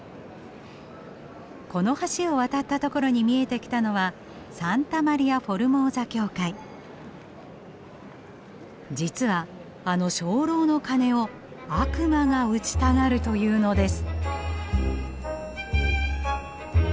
この橋を渡ったところに見えてきたのは実はあの鐘楼の鐘を悪魔が打ちたがるというのです。